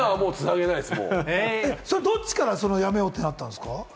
どっちからやめようってなったんですか？